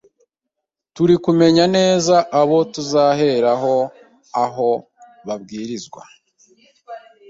turi kumenya neza abo tuzaheraho aho babarizwa,